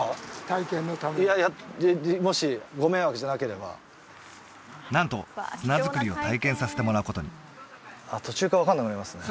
体験のためにいやもしご迷惑じゃなければなんと綱作りを体験させてもらうことに途中から分かんなくなりますね